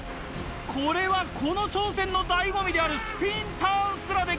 これはこの挑戦の醍醐味であるスピンターンすらできない。